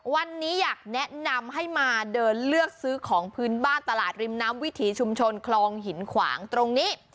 วันนี้อยากแนะนำให้มาเดินเลือกซื้อของพื้นบ้านตลาดริมน้ำวิถีชุมชนคลองหินขวางตรงนี้